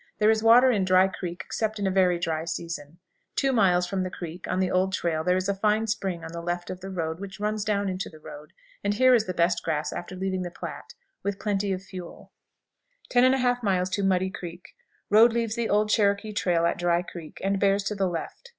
There is water in Dry Creek except in a very dry season. Two miles from the creek, on the old trail, there is a fine spring on the left of the road, which runs down into the road, and here is the best grass after leaving the Platte, with plenty of fuel. 10 1/2. Muddy Creek. Road leaves the old Cherokee trail at Dry Creek, and bears to the left.